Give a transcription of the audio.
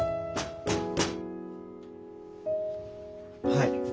はい。